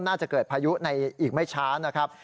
น่าจะเกิดพายุในอีกไม่ช้านะครับ